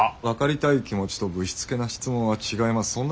分かりたい気持ちとぶしつけな質問は違います。